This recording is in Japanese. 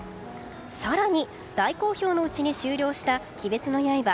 更に、大好評のうちに終了した「“鬼滅の刃”